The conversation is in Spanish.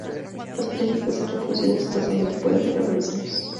Las parejas que se han reproducido exitosamente pueden durar varios años.